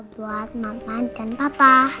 buat mama dan papa